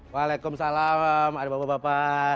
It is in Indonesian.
waalaikumsalam ada bapak bapak